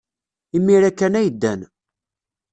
Imir-a kan ay ddan.